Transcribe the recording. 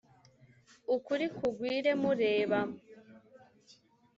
Ukuri gukwire mureba